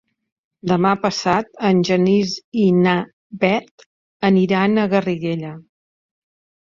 Demà passat en Genís i na Bet aniran a Garriguella.